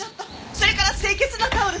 それから清潔なタオル！